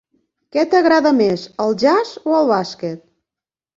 Què t'agrada més, el jazz o el bàsquet?